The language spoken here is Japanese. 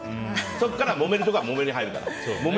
そこからは、もめるところはもめに入るから。